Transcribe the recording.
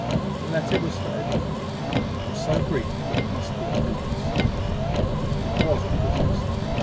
The letter was for Edward, and so brief that it must be on business. It was on business.